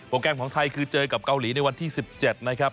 แกรมของไทยคือเจอกับเกาหลีในวันที่๑๗นะครับ